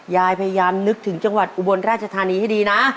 ยายพยายามนึกถึงจังหวัดอุบลราชธานีให้ดีนะ